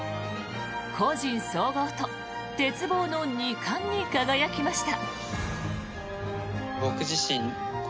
個人総合と鉄棒の２冠に輝きました。